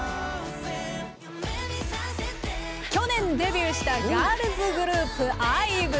去年デビューしたガールズグループＩＶＥ。